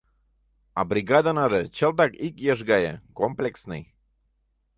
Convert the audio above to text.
А бригадынаже чылтак ик еш гае, комплексный.